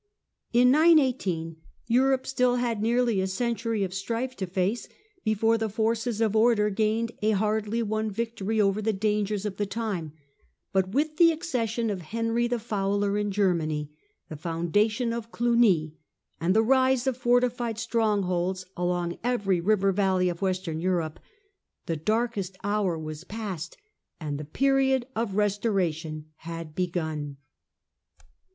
In 918 Europe still had nearly a century of strife to face before the forces of order gained a hardly won victory over the dangers of the time, but with the accession of Henry the Fowler in Germany, the founda tion of Cluny, and the rise of fortified strongholds along every river valley of Western Europe, the darkest hour was passed and the period of restoration had begun.